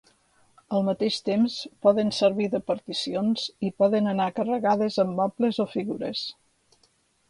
Al mateix temps, poden servir de particions i poden anar carregades amb mobles o figures.